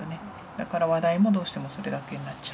だから話題もどうしてもそれだけになっちゃう。